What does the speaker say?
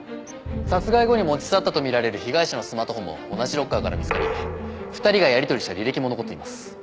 殺害後に持ち去ったとみられる被害者のスマートフォンも同じロッカーから見つかり２人がやり取りした履歴も残っています。